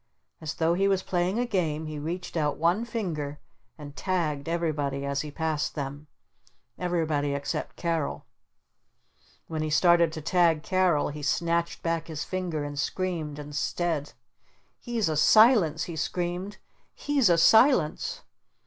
As though he was playing a Game he reached out one finger and tagged everybody as he passed them. Everybody except Carol. When he started to tag Carol he snatched back his finger and screamed instead. "He's a Silence!" he screamed. "He's a Silence!"